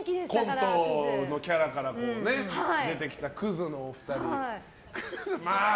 コントのキャラから出てきたくずのお二人ね。